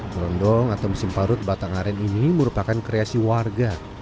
kerondong atau musim parut batang aren ini merupakan kreasi warga